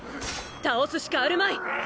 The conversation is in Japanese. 倒すしかあるまい！